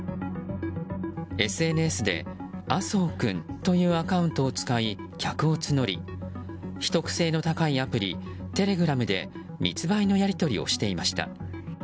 ＳＮＳで麻生くんというアカウントを使い客を募り秘匿性の高いアプリテレグラムで密売のやり取りをしていました。